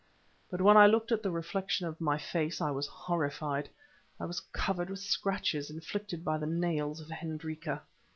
But when I looked at the reflection of my face, I was horrified. It was covered with scratches inflicted by the nails of Hendrika.